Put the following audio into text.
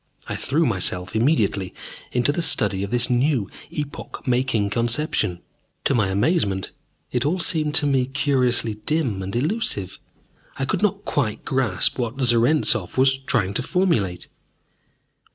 I threw myself immediately into the study of this new, epoch making conception. To my amazement, it all seemed to me curiously dim and elusive. I could not quite grasp what Zarentzov was trying to formulate.